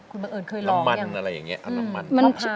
คุณบังเอิญเคยลองอย่างนี้ลำมันอะไรอย่างเงี้ย